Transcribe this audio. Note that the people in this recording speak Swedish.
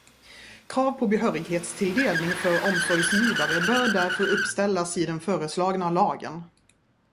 Krav på behörighetstilldelning för omsorgsgivare bör därför uppställas i den föreslagna lagen.